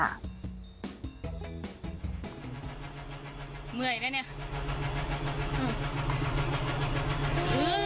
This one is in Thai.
เหมื่อยได้เนี่ย